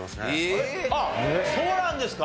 そうなんですか？